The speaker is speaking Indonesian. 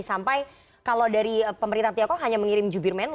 sampai kalau dari pemerintah tiongkok hanya mengirim jubirmen